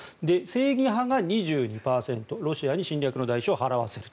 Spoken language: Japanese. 正義派が２２％ロシアに侵略の代償を払わせる。